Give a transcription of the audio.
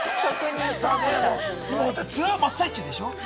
ツアー真っ最中でしょ？